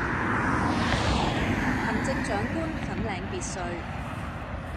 行政長官粉嶺別墅